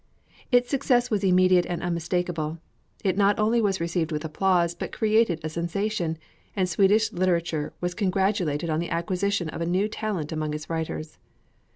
Its success was immediate and unmistakable. It not only was received with applause, but created a sensation, and Swedish literature was congratulated on the acquisition of a new talent among its writers.